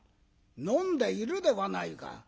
「飲んでいるではないか。